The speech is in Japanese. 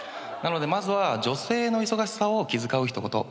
なのでまずは女性の忙しさを気遣う一言